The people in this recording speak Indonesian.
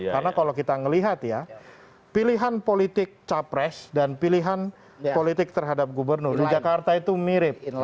karena kalau kita melihat ya pilihan politik capres dan pilihan politik terhadap gubernur di jakarta itu mirip